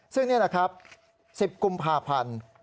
ซึ่งนี่แหละครับ๑๐กุมภาพันธ์